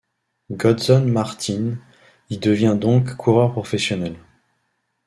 Gotzon Martín y devient donc coureur professionnel.